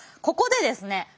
ここでですね